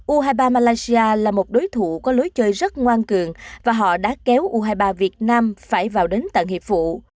u hai mươi ba malaysia là một đối thủ có lối chơi rất ngoan cường và họ đã kéo u hai mươi ba việt nam phải vào đến tận hiệp vụ